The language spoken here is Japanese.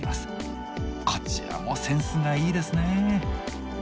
こちらもセンスがいいですね。